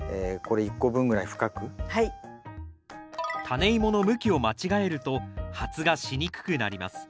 タネイモの向きを間違えると発芽しにくくなります。